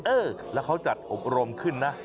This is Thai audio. เออแล้วเขาจัดอบรมขึ้นนะ